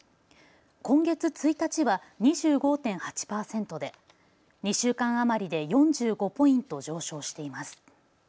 今月１日は２５．８％で２週間余りで４５ポイント上昇しています。